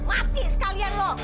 mati sekalian lu